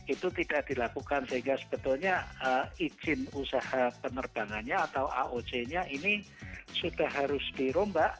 itu tidak dilakukan sehingga sebetulnya izin usaha penerbangannya atau aoc nya ini sudah harus dirombak